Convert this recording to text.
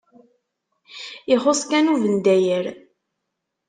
Ixuṣṣ kan ubendayer.